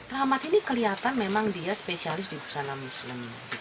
rahmat ini kelihatan memang dia spesialis di busana muslim